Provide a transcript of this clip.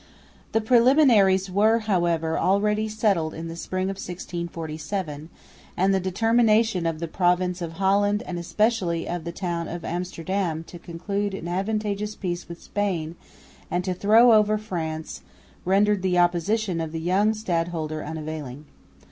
The preliminaries were, however, already settled in the spring of 1647; and the determination of the province of Holland and especially of the town of Amsterdam to conclude an advantageous peace with Spain and to throw over France rendered the opposition of the young Stadholder unavailing.